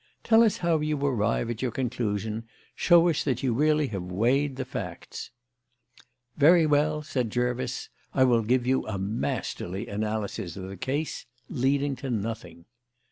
Tell us how you arrive at your conclusion. Show us that you have really weighed the facts." "Very well," said Jervis, "I will give you a masterly analysis of the case leading to nothing."